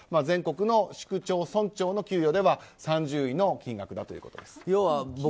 全国の市区町村長の給与では３０位の金額だということです。